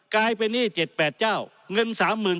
กลายเป็นหนี้เจ็ดแปดเจ้าเงินสามหมื่น